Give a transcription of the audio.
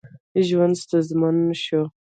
ژوند ستونزمن شو.